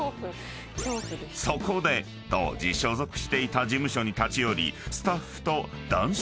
［そこで当時所属していた事務所に立ち寄り］